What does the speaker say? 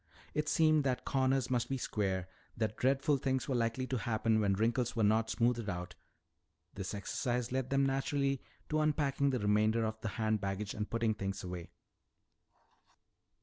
It seemed that corners must be square and that dreadful things were likely to happen when wrinkles were not smoothed out. This exercise led them naturally to unpacking the remainder of the hand baggage and putting things away.